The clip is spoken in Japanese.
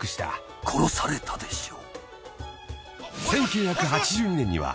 「殺されたでしょう」